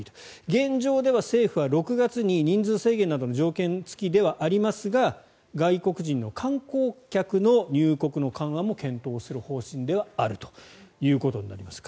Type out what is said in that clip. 現状では政府は６月に人数制限などの条件付きではありますが外国人の観光客の入国の緩和も検討する方針ではあるということになります。